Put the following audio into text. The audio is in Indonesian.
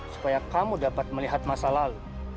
supaya kamu dapat melihat masa lalu